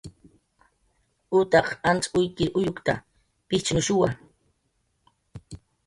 Utaq anz uykir uyukta, pijchnushuwa